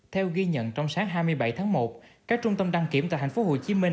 theo ghi nhận trong sáng hai mươi bảy tháng một các trung tâm đăng kiểm tại hạnh phúc hồ chí minh